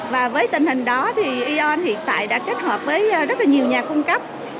và với tình hình đó thì eon hiện tại đã kết hợp với rất là nhiều nhà cung cấp